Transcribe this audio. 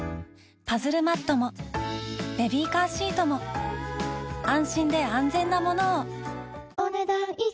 パズルマットもベビーカーシートも安心で安全なものをお、ねだん以上。